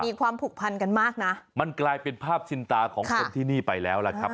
มีความผูกพันกันมากนะมันกลายเป็นภาพชินตาของคนที่นี่ไปแล้วล่ะครับ